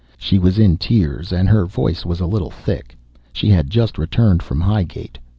She was in tears, and her voice was a little thick. She had just returned from Highgate.